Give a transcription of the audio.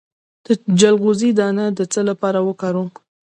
د چلغوزي دانه د څه لپاره وکاروم؟